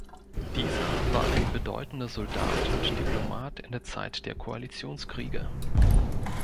Dieser war ein bedeutender Soldat und Diplomat in der Zeit der Koalitionskriege.